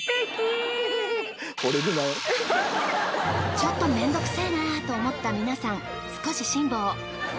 ちょっとめんどくせえなと思った皆さん少し辛抱。